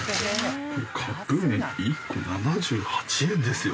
カップ麺１個７８円ですよ。